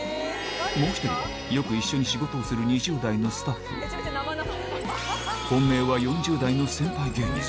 もう１人はよく一緒に仕事をする２０代のスタッフ４０代の先輩？